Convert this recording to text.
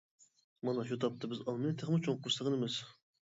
مانا شۇ تاپتا بىز ئالمىنى تېخىمۇ چوڭقۇر سېغىنىمىز.